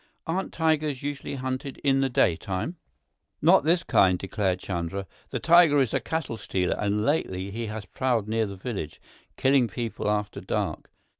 "Aren't tigers usually hunted in the daytime?" "Not this kind," declared Chandra. "This tiger is a cattle stealer, and lately he has prowled near the village, killing people after dark.